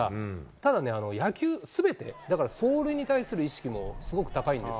ただね、野球すべて、だから走塁に対する意識もすごく高いんです。